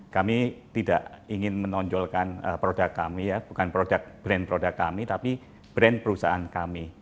kami tidak ingin menonjolkan produk kami ya bukan brand produk kami tapi brand perusahaan kami